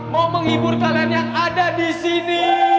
mau menghibur kalian yang ada disini